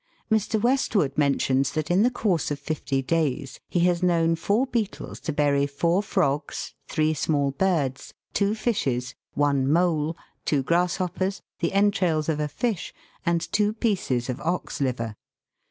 Mr. West wood mentions that in the course of fifty days he has known four beetles to bury four frogs, three small birds, two fishes, one mole, two grasshoppers, the entrails of a fish, and two pieces of ox liver.